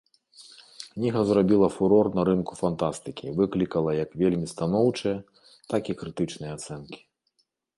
Кніга зрабіла фурор на рынку фантастыкі, выклікала як вельмі станоўчыя, так і крытычныя ацэнкі.